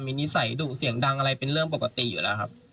มีนิสัยดุเสียงดังอะไรเป็นเรื่องปกติอยู่แล้วครับ